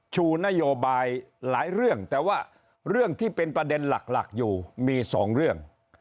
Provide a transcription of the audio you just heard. ชูนโยบายหลายเรื่องแต่ว่าเรื่องที่เป็นประเด็นหลักอยู่มีสองเรื่อง